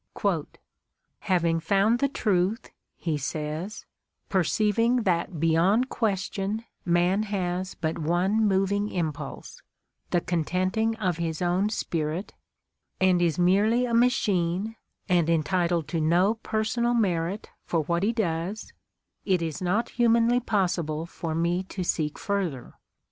"Having found the Truth," he says, "preceiv ing that beyond question man has but one moving im pulse — the contenting of his own spirit — and is merely a machine and entitled to no personal merit for what he does, it is not humanly possible for me to seek further.